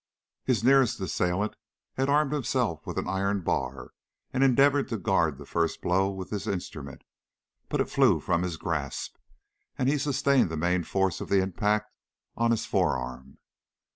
His nearest assailant had armed himself with an iron bar and endeavored to guard the first blow with this instrument, but it flew from his grasp, and he sustained the main force of the impact on his forearm.